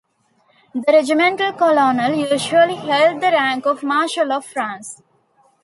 The regimental colonel usually held the rank of Marshal of France.